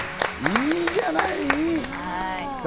いいじゃない！